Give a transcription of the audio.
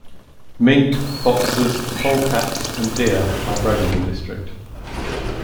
Mink, foxes, polecats, and deer are bred in the district.